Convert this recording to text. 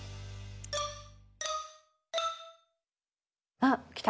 あっきた。